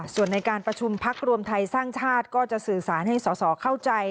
ส่วนในการประชุมพักรวมไทยสร้างชาติก็จะสื่อสารให้สอสอเข้าใจ